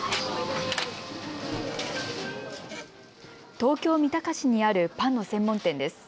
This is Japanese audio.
東京三鷹市にあるパンの専門店です。